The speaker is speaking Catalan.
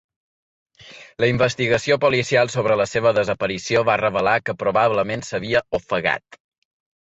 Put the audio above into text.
La investigació policial sobre la seva desaparició va revelar que probablement s'havia ofegat.